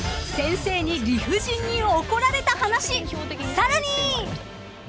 ［さらに］